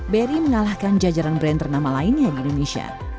beri mengalahkan jajaran brand ternama lainnya di indonesia